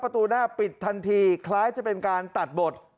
ประตูหน้าปิดทันทีคล้ายจะเป็นการตัดบท